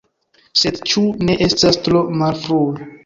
Sed ĉu ne estas tro malfrue?